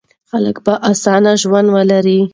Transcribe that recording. خلک به اسانه ژوند ولري.